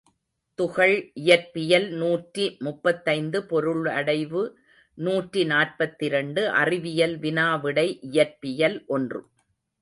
துகள் இயற்பியல் நூற்றி முப்பத்தைந்து பொருளடைவு நூற்றி நாற்பத்திரண்டு அறிவியல் வினா விடை இயற்பியல் ஒன்று.